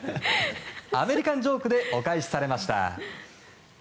アメリカンジョークでお返しされました。